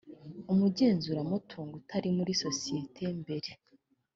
umugenzuramutungo utari mu isosiyete mbere